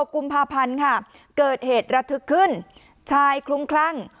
๑๖กุงพาพันธุ์เกิดเหตุระทึกขึ้นทายคลุ้งคลั่ง